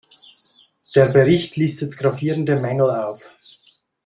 Der Bericht listet gravierende Mängel auf.